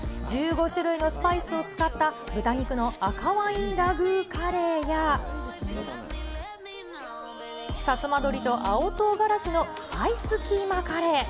１５種類のスパイスを使った豚肉の赤ワインラグーカレーや、さつま鶏と青とうがらしのスパイスキーマカレー。